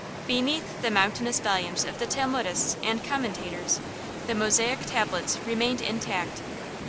Beneath the mountainous volumes of the Talmudists and commentators, the Mosaic tablets remained intact.